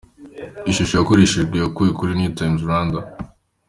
Ishusho yakoreshejwe yakuwe kuri New Times Rwanda.